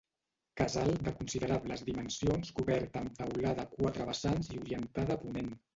Casal de considerables dimensions cobert amb teulada a quatre vessants i orientada a ponent.